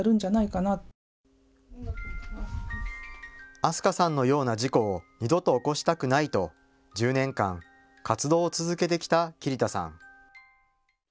明日香さんのような事故を二度と起こしたくないと１０年間、活動を続けてきた桐田さん。